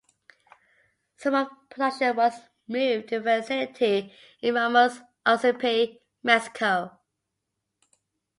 Some of production was moved to a facility in Ramos Arizpe, Mexico.